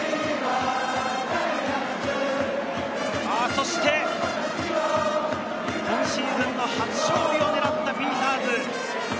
そして今シーズンの初勝利を狙ったピーターズ。